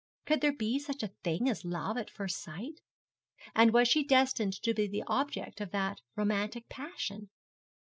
Could there be such a thing as love at first sight? and was she destined to be the object of that romantic passion?